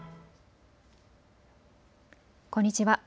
こんにちは。